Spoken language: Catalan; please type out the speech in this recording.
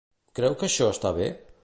Creu que això està bé?